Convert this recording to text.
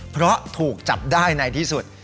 เพราะถูกจับได้ในที่สุด